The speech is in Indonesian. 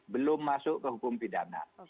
belum masuk ke hukum pidana